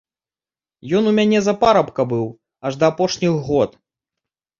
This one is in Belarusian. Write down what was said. Ён у мяне за парабка быў аж да апошніх год.